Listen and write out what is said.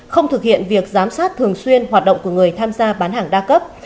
không thực hiện việc giám sát thường xuyên hoạt động của người tham gia bán hàng đa cấp